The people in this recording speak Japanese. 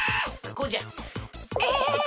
こうじゃ。えええ！